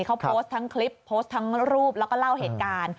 เขาโพสต์ทั้งคลิปโพสต์ทั้งรูปแล้วก็เล่าเหตุการณ์